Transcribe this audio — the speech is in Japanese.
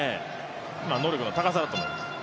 能力の高さだと思います。